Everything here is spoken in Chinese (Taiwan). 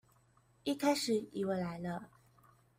一開始以為來了